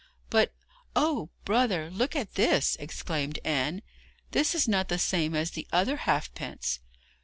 'But, oh, brother, look at this!' exclaimed Anne; 'this is not the same as the other halfpence.'